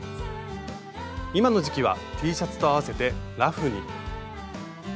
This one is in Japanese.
今の時期はＴシャツと合わせてラフに。